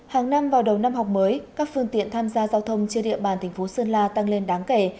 hàng năm vào đầu năm học mới các phương tiện tham gia giao thông trên địa bàn tỉnh sơn la tăng lên đáng kể